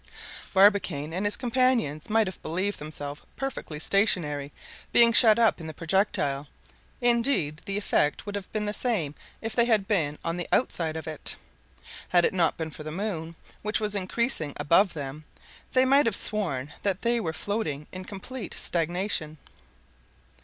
Barbicane and his companions might have believed themselves perfectly stationary, being shut up in the projectile; indeed, the effect would have been the same if they had been on the outside of it. Had it not been for the moon, which was increasing above them, they might have sworn that they were floating in complete stagnation.